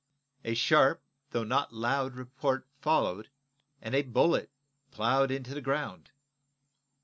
A sharp, though not loud report followed, and a bullet plowed into the ground.